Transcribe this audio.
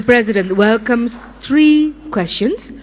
presiden mengucapkan tiga pertanyaan